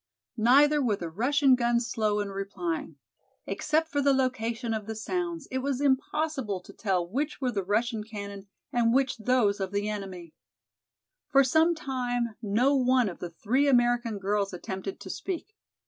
Neither were the Russian guns slow in replying. Except for the location of the sounds it was impossible to tell which were the Russian cannon and which those of the enemy. For some time no one of the three American girls attempted to speak.